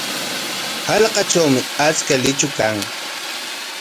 Hallqatrawmi achka luychu kan.